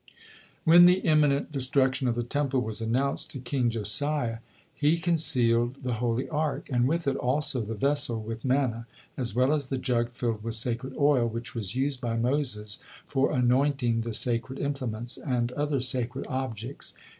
When the imminent destruction of the Temple was announced to King Josiah, he concealed the Holy Ark, and with it also the vessel with manna, as well as the jug filled with sacred oil, which was used by Moses for anointing the sacred implements, and other sacred objects.